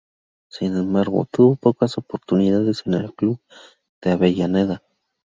Sin embargo, tuvo pocas oportunidades en el club de Avellaneda.